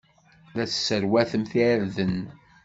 La tesserwatemt irden.